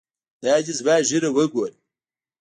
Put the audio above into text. دا دى زما ږيره وګوره.